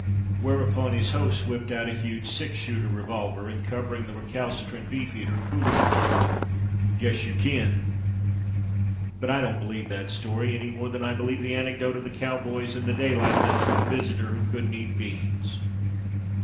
Whereupon his host whipped out a huge "six shooter" revolver, and covering the recalcitrant beef eater, coolly remarked: "Guess you kin!" But I don't believe that story, any more than I believe the anecdote of the cowboys and the daylight let through the visitor who couldn't eat beans.